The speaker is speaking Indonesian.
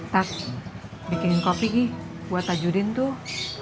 tat bikinin kopi gi buat taji udin tuh